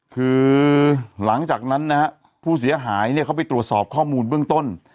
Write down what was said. คือหลังจากนั้นนะฮะผู้เสียหายเนี่ยเขาไปตรวจสอบข้อมูลเบื้องต้น